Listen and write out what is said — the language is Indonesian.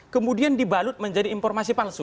kemudian dibalut menjadi informasi palsu